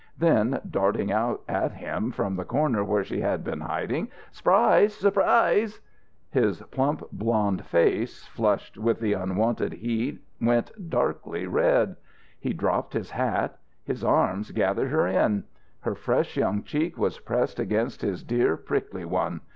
Then, darting out at him from the corner where she had been hiding: "S'prise! S'prise!" His plump blond face, flushed with the unwonted heat went darkly red. He dropped his hat. His arms gathered her in. Her fresh young cheek was pressed against his dear, prickly one.